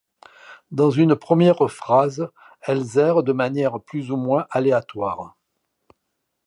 Dans une première phase, elles errent de manière plus ou moins aléatoire.